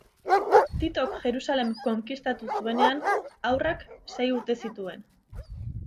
Titok Jerusalem konkistatu zuenean, haurrak sei urte zituen.